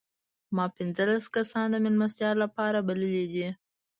ما پنځلس کسان د مېلمستیا لپاره بللي دي.